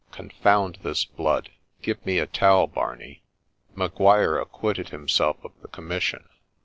Confound this blood !— give me a towel, Barney.' Maguire acquitted himself of the commission.